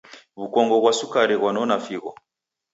W'ukongo ghwa sukari ghwanona figho.